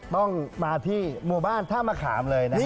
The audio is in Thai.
ต้องมาที่หมู่บ้านท่ามะขามเลยนะครับ